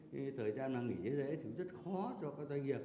nếu mà nghỉ dễ thì rất khó cho các doanh nghiệp